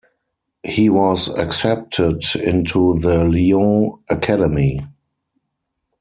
He was accepted into the Lyon Academy.